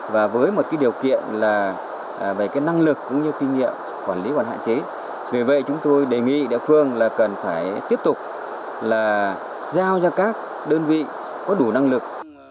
vì vậy chúng tôi đề nghị địa phương là cần phải tiếp tục là giao cho các đơn vị có đủ năng lực